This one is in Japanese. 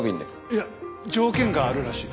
いや条件があるらしい。